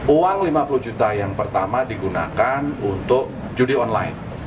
uang lima puluh juta yang pertama digunakan untuk judi online